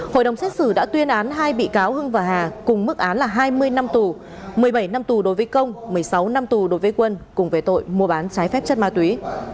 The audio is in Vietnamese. hội đồng xét xử đã tuyên án hai bị cáo hưng và hà cùng mức án là hai mươi năm tù một mươi bảy năm tù đối với công một mươi sáu năm tù đối với quân cùng về tội mua bán trái phép chất ma túy